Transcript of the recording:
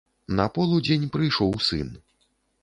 На полудзень прыйшоў сын.